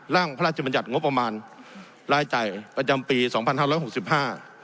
ร่างพระราชบัญญัติงบประมาณรายจ่ายประจำปีสองพันห้าร้อยหกสิบห้า